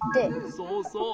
そうそう。